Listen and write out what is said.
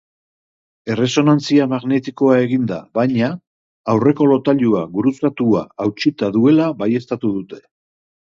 Erresonantzia magnetikoa eginda, baina, aurreko lotailu gurutzatua hautsita duela baieztatu dute.